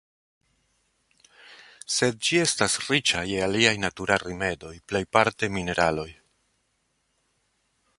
Sed ĝi estas riĉa je aliaj naturaj rimedoj, plejparte mineraloj.